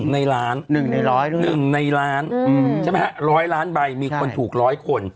๑ในล้านใช่ไหมครับ๑๐๐ล้านใบมีคนถูก๑๐๐คน